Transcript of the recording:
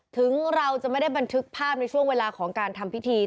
ถึงเราจะไม่ได้บันทึกภาพในช่วงเวลาของการทำพิธี